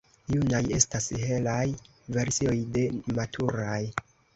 Junaj estas helaj versioj de maturaj.